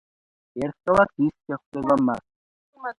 ერთხელაც ის შეხვდება მათ.